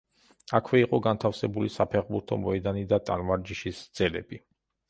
აქვე იყო განთავსებული საფეხბურთო მოედანი და ტანვარჯიშის ძელები.